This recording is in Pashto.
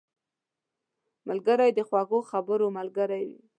ملګری د خوږو خبرو ملګری وي